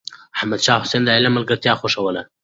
احمد شاه حسين د علم ملګرتيا خوښوله.